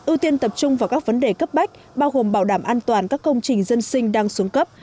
ưu tiên tập trung vào các vấn đề cấp bách bao gồm bảo đảm an toàn các công trình dân sinh đang xuống cấp